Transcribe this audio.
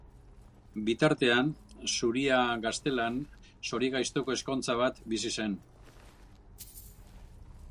Bitartean, Zuria Gaztelan zorigaiztoko ezkontza bat bizi zen.